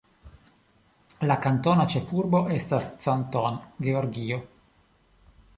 La kantona ĉefurbo estas Canton, Georgio.